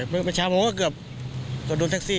เมื่อเช้าผมก็เกือบจะโดนแท็กซี่